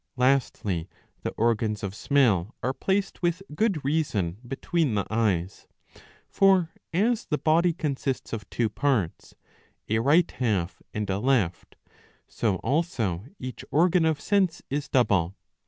Lastly, the organs of srriell are placed with good reason between the eyes. For as the body consists of two parts, a right half and a left, so also each organ of sense is double.